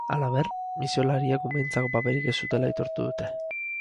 Halaber, misiolariek umeentzako paperik ez zutela aitortu dute.